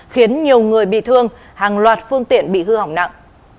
khiến nhiều người bị thương hàng loạt phương tiện bị hư hỏng nặng